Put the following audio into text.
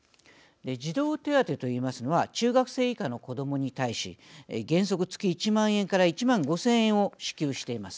児童手当と言いますのは中学生以下の子どもに対し原則月１万円から１万５０００円を支給しています。